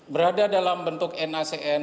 berada dalam bentuk nacn